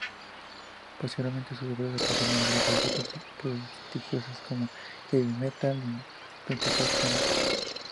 Posteriormente sus obras aparecerán en varias revistas prestigiosas, como "Heavy Metal" y "Penthouse Comix".